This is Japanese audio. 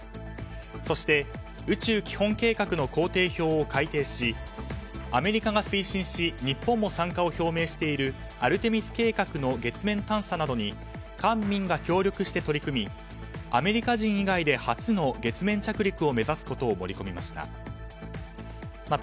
そして、宇宙基本計画の工程表を改定しアメリカが推進し日本も参加を表明しているアルテミス計画の月面探査などに官民が協力して取り組みアメリカ人以外で初の月面着陸を目指すことを盛り込みました。